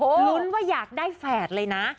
ลุ้นว่าอยากได้แฝดเลยนะ